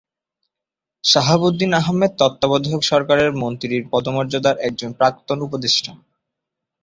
শাহাবুদ্দিন আহমেদ তত্ত্বাবধায়ক সরকারের মন্ত্রীর পদমর্যাদার একজন প্রাক্তন উপদেষ্টা।